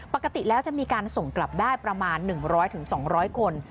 ปกติแล้วจะมีการส่งกลับได้ประมาณ๑๐๐๒๐๐คน